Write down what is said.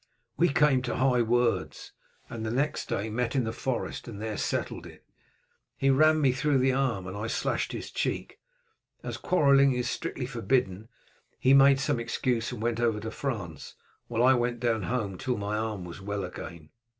We came to high words, and next day met in the forest and there settled it. He ran me through the arm, and I slashed his cheek. As quarrelling is strictly forbidden he made some excuse and went over to France, while I went down home till my arm was well again.